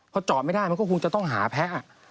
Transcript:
พอจอดไม่ได้มันก็คงจะต้องหาแพ้